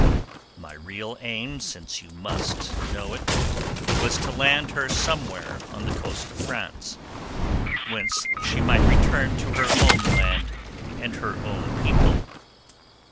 "My real aim, since you must know it, was to land her somewhere on the coast of France, whence she might return to her own land, and her own people.